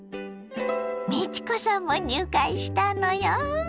美智子さんも入会したのよ。